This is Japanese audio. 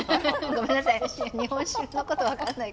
ごめんなさい。